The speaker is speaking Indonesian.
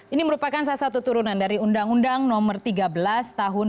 ini merupakan salah satu turunan dari undang undang nomor tiga belas tahun dua ribu dua